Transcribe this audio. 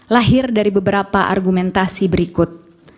lahir dari beberapa argumentasi berikut